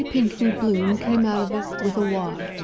Pinkney Bloom came out of it with a "wad."